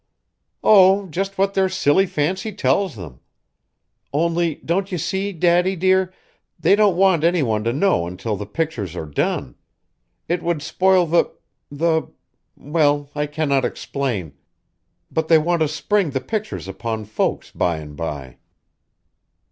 "Oh! just what their silly fancy tells them. Only don't you see, Daddy, dear, they don't want any one to know until the pictures are done. It would spoil the the well, I cannot explain; but they want to spring the pictures upon folks by and by."